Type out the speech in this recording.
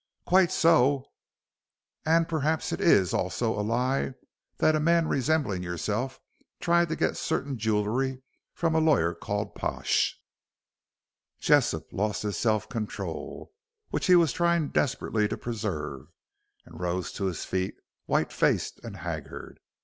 "Quite so, and perhaps it is also a lie that a man resembling yourself tried to get certain jewellery from a lawyer called Pash " Jessop lost his self control, which he was trying desperately to preserve, and rose to his feet, white faced and haggard.